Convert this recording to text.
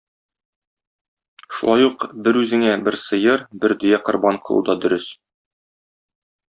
Шулай ук бер үзеңә бер сыер, бер дөя корбан кылу да дөрес.